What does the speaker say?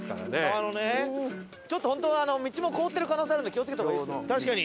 ちょっと本当道も凍ってる可能性あるんで気を付けた方がいいですよ。